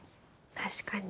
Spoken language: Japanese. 確かに。